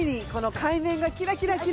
海面がキラキラキラ。